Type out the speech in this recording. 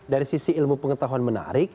dari sisi ilmu pengetahuan menarik